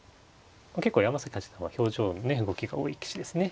結構山崎八段は表情のね動きが多い棋士ですね。